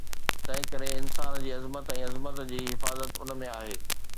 تنهن ڪري انسان جي عظمت ۽ عظمت جي حفاظت ان ۾ آهي